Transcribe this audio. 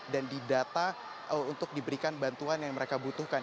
dan didata untuk diberikan bantuan yang mereka butuhkan